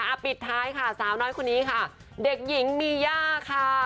ปิดท้ายค่ะสาวน้อยคนนี้ค่ะเด็กหญิงมีย่าค่ะ